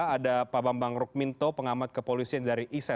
ada pak bambang rukminto pengamat kepolisian dari ise